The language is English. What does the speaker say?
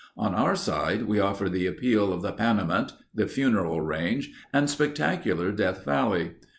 On our side we offer the appeal of the Panamint, the Funeral Range, and spectacular Death Valley.